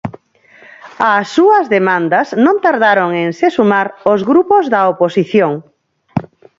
Ás súas demandas non tardaron en se sumar os grupos da oposición.